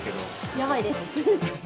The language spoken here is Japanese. やばいです。